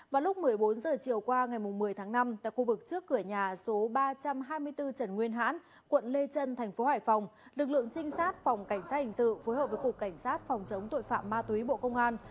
phối hợp với cục cảnh sát phòng chống tội phạm ma túy bộ công an